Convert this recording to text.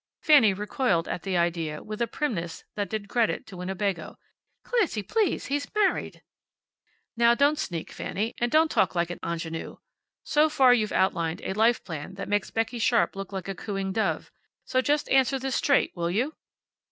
Fanny recoiled at the idea with a primness that did credit to Winnebago. "Clancy! Please! He's married." "Now don't sneak, Fanny. And don't talk like an ingenue. So far, you've outlined a life plan that makes Becky Sharp look like a cooing dove. So just answer this straight, will you?"